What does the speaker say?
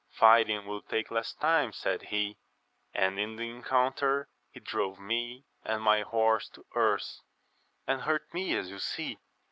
Fighting will take less time, said he, and in the encounter he drove me and my horse to earth, and hurt me as you see.